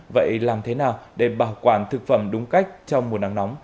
vậy làm thế nào để bảo quản thực phẩm đúng cách trong mùa nắng nóng